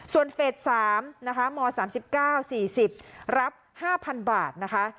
ส่วนเฟสสามนะคะมสามสิบเก้าสี่สิบรับห้าพันบาทนะคะ